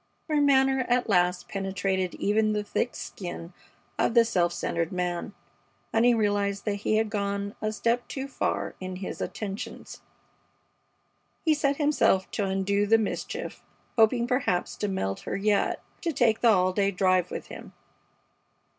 Her manner at last penetrated even the thick skin of the self centered man, and he realized that he had gone a step too far in his attentions. He set himself to undo the mischief, hoping perhaps to melt her yet to take the all day drive with him.